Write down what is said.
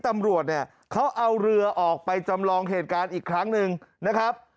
ตำรวจเนี่ยเขาเอาเรือออกไปจำลองเหตุการณ์อีกครั้งหนึ่งนะครับ